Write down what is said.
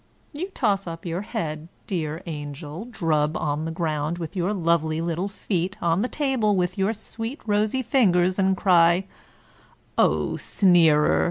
You toss up your head, dear angel, drub on the ground with your lovely little feet, on the table with your sweet rosy fingers, and cry, " Oh, sneerer!